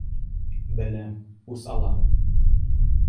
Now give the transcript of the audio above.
Беләм: үс алаһың!